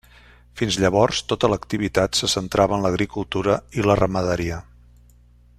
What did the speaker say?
Fins llavors tota l'activitat se centrava en l'agricultura i la ramaderia.